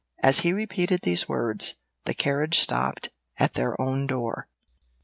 As he repeated these words, the carriage stopped at their own door.